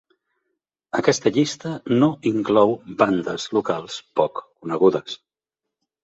Aquesta llista no inclou bandes locals poc conegudes.